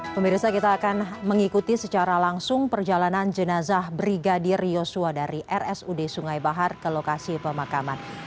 pemirsa kita akan mengikuti secara langsung perjalanan jenazah brigadir yosua dari rsud sungai bahar ke lokasi pemakaman